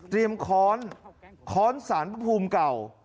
เตรียมค้อนค้อนสารภูมิเก่า